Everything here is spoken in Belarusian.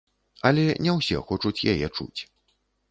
Але не ўсе хочуць яе чуць.